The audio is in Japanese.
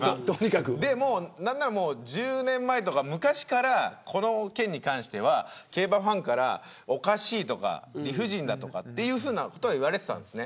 なんなら１０年前とか昔からこの件に関しては競馬ファンからおかしいとか理不尽だとかということは言われていたんです。